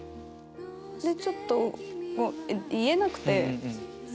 でちょっと言えなくて。